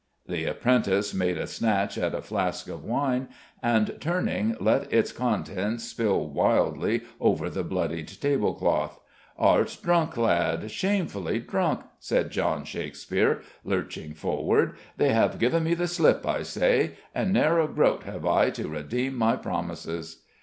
The apprentice made a snatch at a flask of wine, and, turning, let its contents spill wildly over the bloodied tablecloth. "Art drunk, lad shamefully drunk," said John Shakespeare, lurching forward. "They have given me the slip, I say, and ne'er a groat have I to redeem my promises."